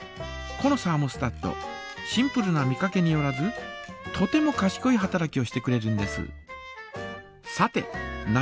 このサーモスタットシンプルな見かけによらずとてもかしこい働きをしてくれるんです。